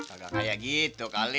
agak kayak gitu kali